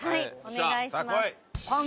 お願いします。